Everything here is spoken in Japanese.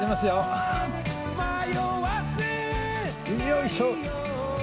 よいしょ。